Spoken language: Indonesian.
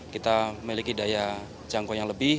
kita memiliki daya jangkau yang lebih